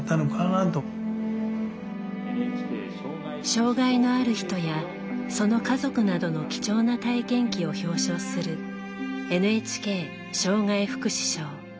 障害のある人やその家族などの貴重な体験記を表彰するＮＨＫ障害福祉賞。